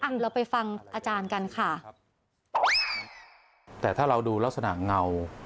เราไปฟังอาจารย์กันค่ะครับแต่ถ้าเราดูลักษณะเงา